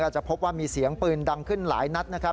จะพบว่ามีเสียงปืนดังขึ้นหลายนัดนะครับ